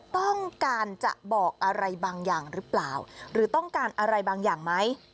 ต้องการจะบอกอะไรบางอย่างหรือเปล่าหรือต้องการอะไรบางอย่างไหม